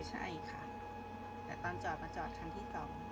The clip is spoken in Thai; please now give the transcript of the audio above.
ใช่ค่ะแต่ตอนจอดมาจอดคันที่เก่า